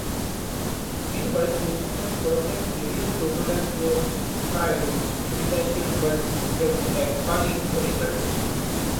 Meanwhile, during the project various prototypes were tried and tested, but with appalling results.